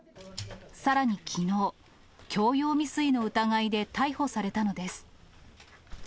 さらにきのう、強要未遂の疑いで逮捕されたのです。